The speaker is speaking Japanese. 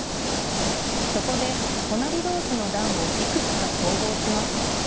そこで隣どうしの団をいくつか統合します。